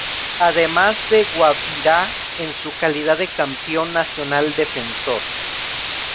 Además de Guabirá en su calidad de campeón nacional defensor.